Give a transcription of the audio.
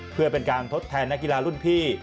เพื่อเป็นการทดแทนนักกีฬารุ่นพี่